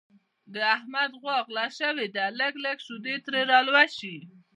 د احمد غوا غله شوې ده لږې لږې شیدې ترې را لوشي.